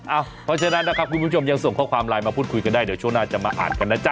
เพราะฉะนั้นนะครับคุณผู้ชมยังส่งข้อความไลน์มาพูดคุยกันได้เดี๋ยวช่วงหน้าจะมาอ่านกันนะจ๊